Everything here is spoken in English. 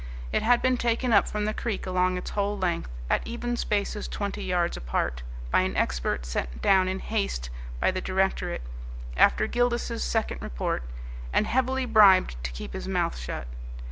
It had been taken up from the creek along its whole length, at even spaces twenty yards apart, by an expert sent down in haste by the directorate, after Gildas's second report, and heavily bribed to keep his mouth shut.